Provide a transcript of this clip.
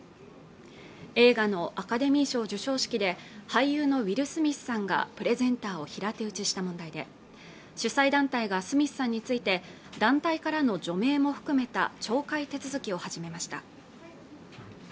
映画のアカデミー賞授賞式で俳優のウィル・スミスさんがプレゼンターを平手打ちした問題で主催団体がスミスさんについて団体からの除名も含めた懲戒手続きを始めました